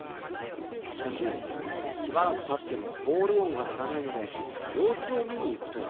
しかししばらくたってもコール音が鳴らないので様子を見に行くと。